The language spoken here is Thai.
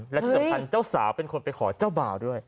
และที่สำคัญเจ้าสาวเป็นคนไปขอเจ้าบ่าวด้วย